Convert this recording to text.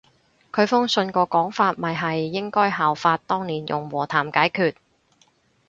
佢封信個講法咪係應該效法當年用和談解決